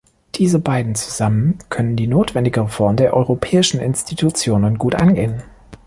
Diese beiden zusammen können die notwendige Reform der Europäischen Institutionen gut angehen.